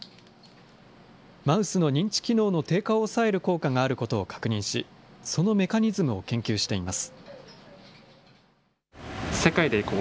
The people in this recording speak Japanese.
マウスの認知機能の低下を抑える効果があることを確認し、そのメカニズムを研究しています。